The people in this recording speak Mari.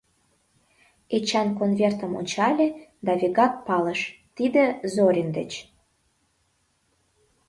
Эчан конвертым ончале да вигак палыш: тиде — Зорин деч.